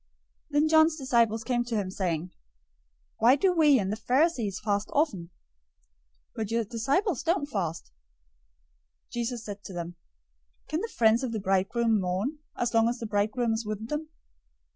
}" 009:014 Then John's disciples came to him, saying, "Why do we and the Pharisees fast often, but your disciples don't fast?" 009:015 Jesus said to them, "Can the friends of the bridegroom mourn, as long as the bridegroom is with them?